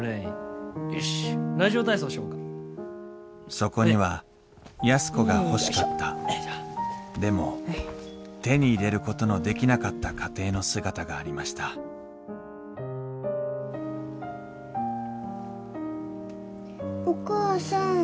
そこには安子が欲しかったでも手に入れることのできなかった家庭の姿がありましたお母さん。